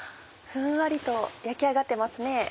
ふんわりと焼き上がってますね。